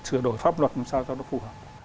sửa đổi pháp luật làm sao cho nó phù hợp